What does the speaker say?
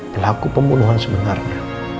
pelaku pembunuhan sebenarnya